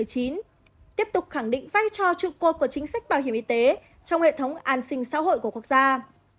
tiếp tục khẳng định vai trò trụ cột của chính sách bảo hiểm y tế trong hệ thống an sinh xã hội của quốc gia